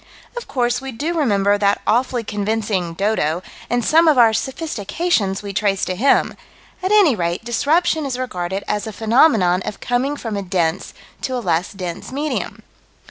Of course we do remember that awfully convincing "dodo," and some of our sophistications we trace to him at any rate disruption is regarded as a phenomenon of coming from a dense to a less dense medium.